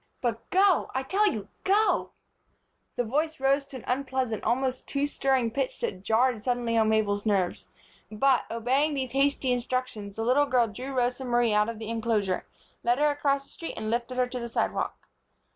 But go, I tell you, go!" The voice rose to an unpleasant, almost too stirring pitch that jarred suddenly on Mabel's nerves; but, obeying these hasty instructions, the little girl drew Rosa Marie out of the inclosure, led her across the street and lifted her to the sidewalk.